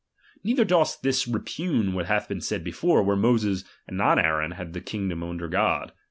Neither doth this repugn what hath been sjud before, where Moses, and not Aaron, had the kingdom under God.